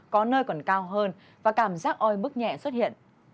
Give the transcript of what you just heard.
có nơi còn cao hơn và cảm giác oi bức nhẹ xuất hiện